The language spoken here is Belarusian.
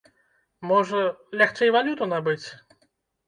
Можа, лягчэй валюту набыць?